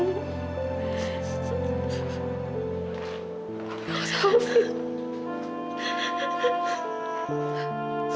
enggak usah ovid